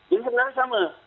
jadi sebenarnya sama